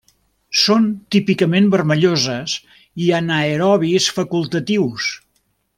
Són típicament vermelloses, i anaerobis facultatius.